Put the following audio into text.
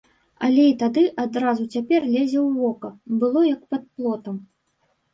Але і тады, адразу цяпер лезе ў вока, было як пад плотам.